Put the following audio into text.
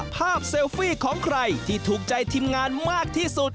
เซลฟี่ของใครที่ถูกใจทีมงานมากที่สุด